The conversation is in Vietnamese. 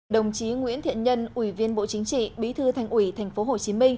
đồng chí nguyễn thiện nhân ủy viên bộ chính trị bí thư thành ủy tp hcm